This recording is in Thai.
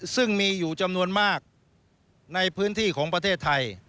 ซึ่งมีอยู่จำนวนมากในพื้นที่ของประเทศไทย